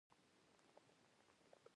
شات مچۍ ګلانو ته ګټه رسوي